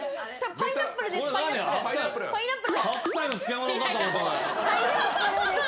パイナップルです！